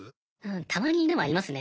たまにでもありますね。